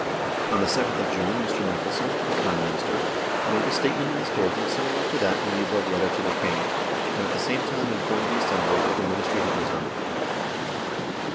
On the 7th of June Mr. Michelsen, the Prime Minister, made a statement in the Storthing similar to that in the above letter to the King, and at the same time informed the Assembly that the Ministry had resigned.